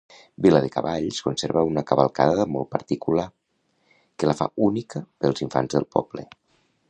Viladecavalls conserva una cavalcada molt particular, que la fa única pels infants del poble.